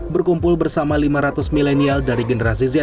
berkumpul bersama lima ratus milenial dari generasi z